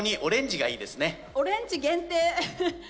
オレンジ限定。